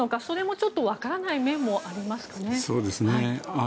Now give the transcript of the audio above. それもちょっとわからない面もありますね。